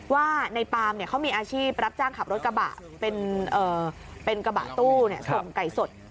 ว่าในปามเขามีอาชีพรับจ้างขับรถกระบะเป็นกระบะตู้ส่งไก่สด